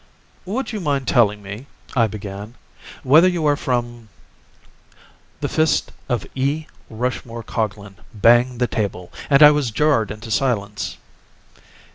"Would you mind telling me," I began, "whether you are from—" The fist of E. Rushmore Coglan banged the table and I was jarred into silence.